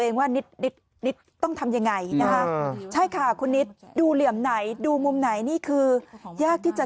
ว่านิดนิดต้องทำยังไงนะคะใช่ค่ะคุณนิดดูเหลี่ยมไหนดูมุมไหนนี่คือยากที่จะ